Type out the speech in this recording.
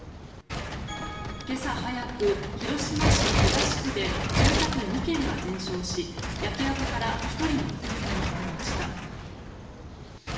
今朝早く、広島市東区で住宅２軒が全焼し焼け跡から１人の遺体が見つかりました。